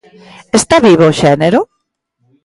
Está vivo o xénero?